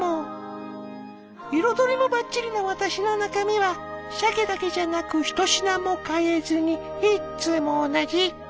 彩りもバッチリな私の中身はシャケだけじゃなくひと品も変えずにいっつも同じ。